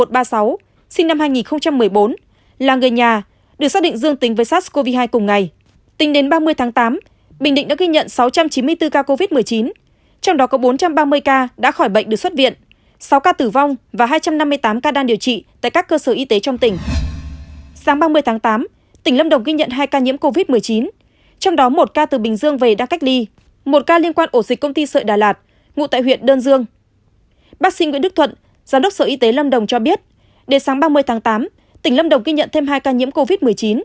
bác sĩ nguyễn đức thuận giám đốc sở y tế lâm đồng cho biết đến sáng ba mươi tháng tám tỉnh lâm đồng ghi nhận thêm hai ca nhiễm covid một mươi chín